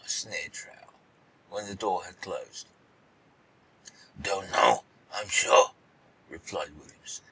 sneered Truax, when the door had closed. "Don't know, I'm sure," replied Williamson.